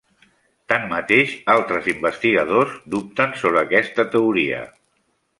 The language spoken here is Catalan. Tanmateix, altres investigadors dubten sobre aquesta teoria.